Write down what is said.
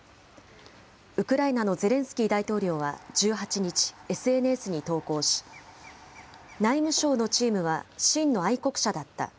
ウクライナのゼレンスキー大統領は１８日、ＳＮＳに投稿し、内務省のチームは真の愛国者だった。